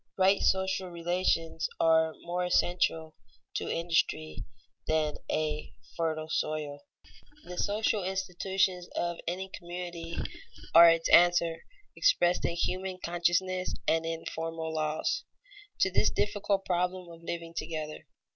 Right social relations are more essential to industry than a fertile soil. [Sidenote: The practical limits of legislative reform] The social institutions of any community are its answer, expressed in human consciousness and in formal laws, to this difficult problem of living together.